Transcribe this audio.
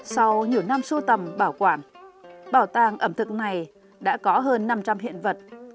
sau nhiều năm sưu tầm bảo quản bảo tàng ẩm thực này đã có hơn năm trăm linh hiện vật